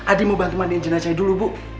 adi mau bantemanin jenazahnya dulu bu